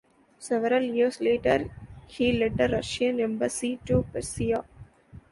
Several years later, he led a Russian embassy to Persia.